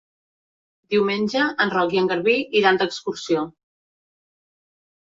Diumenge en Roc i en Garbí iran d'excursió.